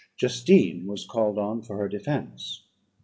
Justine was called on for her defence.